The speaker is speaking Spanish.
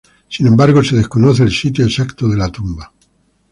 Sin embargo, se desconoce el sitio exacto de su tumba.